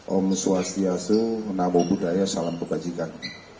om swastiastu namo buddhaya salam pekajikan